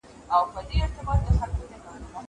پښتو زده کړي. البته دا چلند زیاتره په ښارونو کي